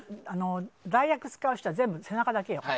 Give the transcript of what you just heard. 代役を使う人はみんな背中だけよ。